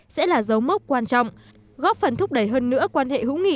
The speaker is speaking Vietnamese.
sẽ là dấu mốc quan trọng góp phần thúc đẩy hơn nữa quan hệ hữu nghị